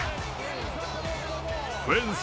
フェンス？